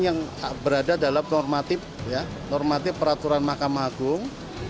yang berada dalam normatif peraturan mahkamah agung